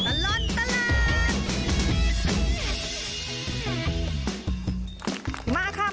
ช่วงตลอดตลาด